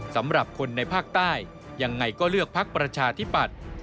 สำหรับคนในภาคใต้ยังไงก็เลือกพักประชาธิปัตย์